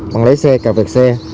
bằng lấy xe